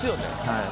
はい。